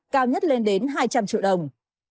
cao nhất lên đến hai trăm linh triệu đồng